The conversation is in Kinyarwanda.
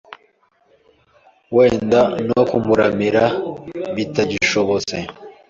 wenda no kumuramira bitagishobotse